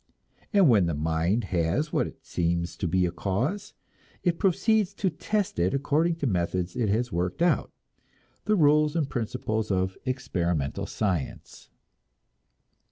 And when the mind has what seems to be a cause, it proceeds to test it according to methods it has worked out, the rules and principles of experimental science.